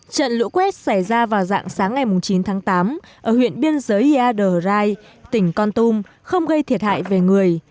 trận lũ quét xảy ra vào dạng sáng ngày chín tháng tám ở huyện biên giới yadrai tỉnh kon tum không gây thiệt hại về người